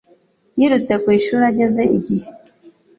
Yirutse ku ishuri, ageze igihe.